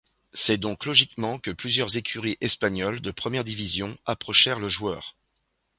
C'est donc logiquement que plusieurs écuries espagnoles de première division approchèrent le joueur.